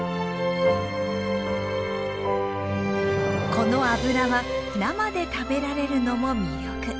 この油は生で食べられるのも魅力。